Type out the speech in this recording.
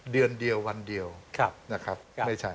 เดือนเดียววันเดียวนะครับไม่ใช่